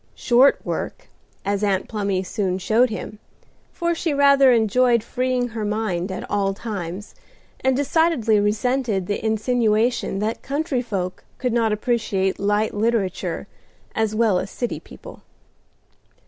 Short work, as Aunt Plumy soon showed him, for she rather enjoyed freeing her mind at all times, and decidedly resented the insinuation that country folk could not appreciate light literature as well as city people.